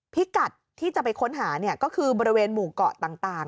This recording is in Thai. พิกัดที่จะไปค้นหาก็คือบริเวณหมู่เกาะต่าง